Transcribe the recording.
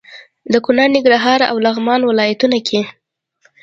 د کونړ، ننګرهار او لغمان ولايتونو کې